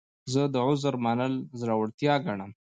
زه د عذر منل زړورتیا ګڼم.